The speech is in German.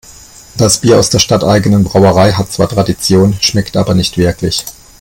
Das Bier aus der stadteigenen Brauerei hat zwar Tradition, schmeckt aber nicht wirklich.